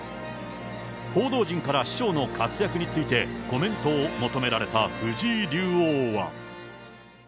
報道陣から師匠の活躍について、コメントを求められた藤井竜王は。